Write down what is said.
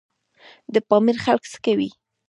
د پامیر خلک څه کوي؟